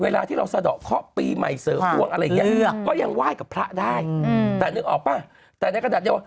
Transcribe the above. เวลาที่เราต่อที่ใหม่ก็ยังว่าให้ค็นภาคได้แต่ตัดออกว่าแต่บาบขั้นหา